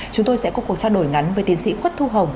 chúng tôi sẽ có cuộc trao đổi ngắn với tiến sĩ khuất thu hồng